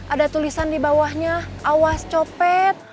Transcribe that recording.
ada tulisan dibawahnya awas copet